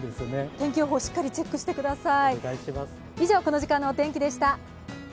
天気予報、しっかりチェックしてください。